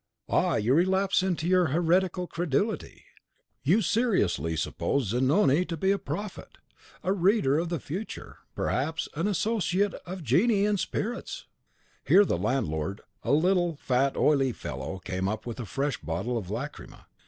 "Ah, you relapse into your heretical credulity; you seriously suppose Zanoni to be a prophet, a reader of the future; perhaps an associate of genii and spirits!" Here the landlord, a little, fat, oily fellow, came up with a fresh bottle of lacrima.